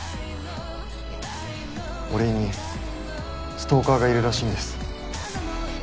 俺にストーカーがいるらしいんです。